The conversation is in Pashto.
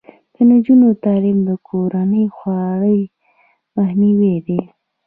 د نجونو تعلیم د کورنۍ خوارۍ مخنیوی دی.